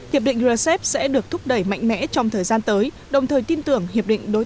hiệp định rcep sẽ được thúc đẩy mạnh mẽ trong thời gian tới đồng thời tin tưởng hiệp định đối